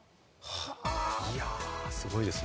いや、すごいですね。